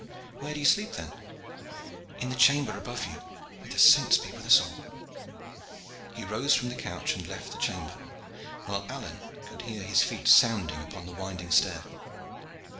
"Where do you sleep, then?" "In the chamber above you. May the saints be with us all!" He rose from the couch and left the chamber, while Alleyne could hear his feet sounding upon the winding stair.